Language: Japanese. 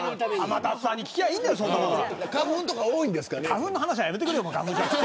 花粉の話はやめてくれよ。